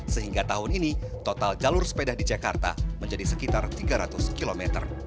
sehingga tahun ini total jalur sepeda di jakarta menjadi sekitar tiga ratus km